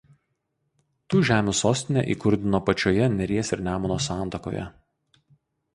Tų žemių sostinę įkurdino pačioje Neries ir Nemuno santakoje.